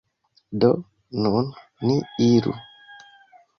Do, nun ni iru